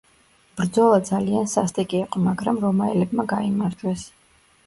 ბრძოლა ძალიან სასტიკი იყო, მაგრამ რომაელებმა გაიმარჯვეს.